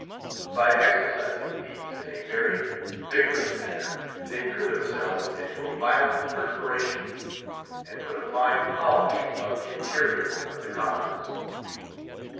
By exercising these in a very vigorous manner, they threw themselves into a violent perspiration, and put a fine polish upon the interior of the coppers.